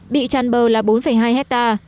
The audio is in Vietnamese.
bị tràn bầu là bốn hai hecta